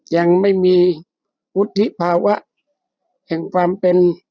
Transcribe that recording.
ยังไม่มีวุฒิภาวะแห่งความเป็น